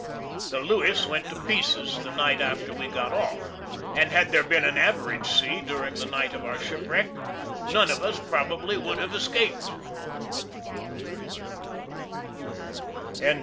The Lewis went to pieces the night after we got off, and, had there been an average sea during the night of our shipwreck, none of us probably would have escaped.